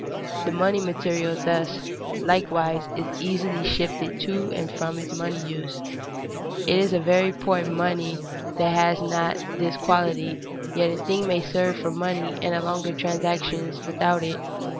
The money material thus, likewise, is easily shifted to and from its money use. It is a very poor money that has not this quality, yet a thing may serve for money in larger transactions without it.